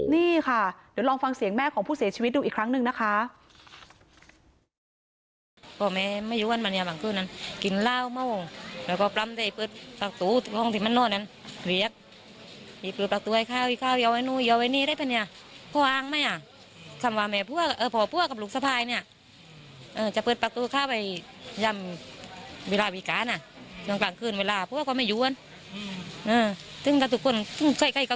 นี่ค่ะเดี๋ยวลองฟังเสียงแม่ของผู้เสียชีวิตดูอีกครั้งหนึ่งนะคะ